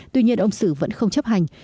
tuy nhiên ông sử vẫn không chấp hành